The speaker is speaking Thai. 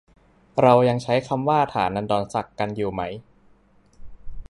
เรายังใช้คำว่าฐานันดรศักดิ์กันอยู่ไหม